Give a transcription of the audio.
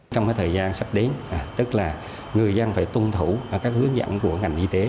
trong thời gian sắp đến người dân phải tuân thủ các hướng dẫn của ngành y tế